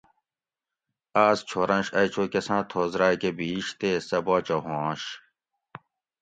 آۤس چھورنش ائی چو کۤساں تھوس راکہ بِھیش تے سہ باچہ ہوانش